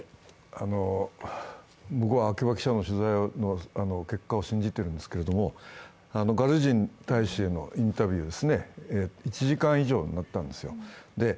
僕は秋場記者の取材の結果を信じているんですけれども、ガルージン大使へのインタビューは１時間以上になったんです。